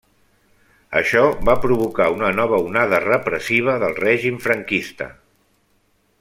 Això va provocar una nova onada repressiva del règim franquista.